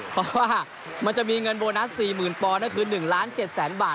เพราะว่ามันจะมีเงินโบนัส๔๐๐๐๐บอลนั่นคือ๑๗ล้านบาท